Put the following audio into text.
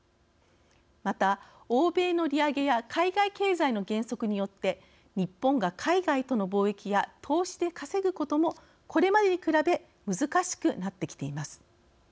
また、欧米の利上げや海外経済の減速によって日本が海外との貿易や投資で稼ぐこともこれまでに比べ難しくなってきています。